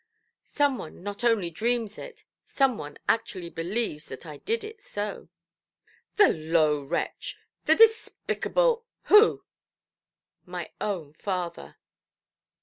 "Some one not only dreams it, some one actually believes that I did it so". "The low wretch—the despicable—who"? "My own father".